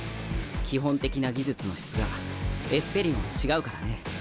基本的な技術の質がエスペリオンは違うからね。